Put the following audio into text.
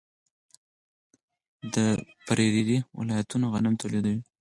د پریري ولایتونه غنم تولیدوي.